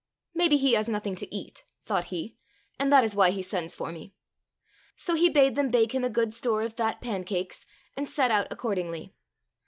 " Maybe he has nothing to eat," thought he, " and that is why he sends for me." So he bade them bake him a good store of fat pancakes, and set out accordingly.